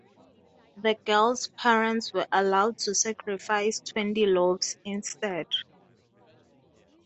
The girl's parents were allowed to sacrifice twenty loaves instead.